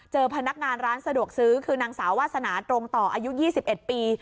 เจอพนักงานร้านสะดวกซื้อคือนางสาวาสนาตรงต่ออายุยี่สิบเอ็ดปี